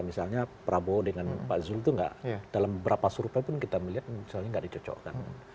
misalnya prabowo dengan pak zul itu dalam beberapa survei pun kita melihat misalnya nggak dicocokkan